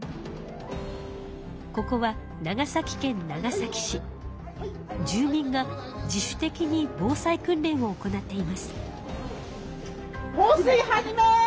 ここは住民が自主的に防災訓練を行っています。